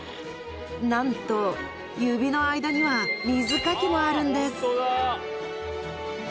なんと指の間には水かきもあるんです